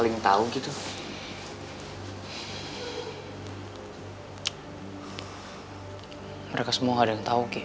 jupiter tahu dia akan inggin raya tapi dia terset pistol dan sedang mencium kolejutnya